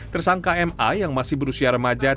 tersangka ma yang masih berusia remaja